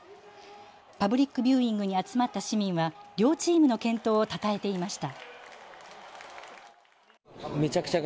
パブリック・ビューイングに集まった市民は両チームの健闘をたたえていました。